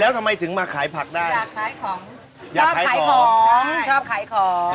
แล้วทำไมถึงมาขายผักได้อยากขายของอยากขายของชอบขายของ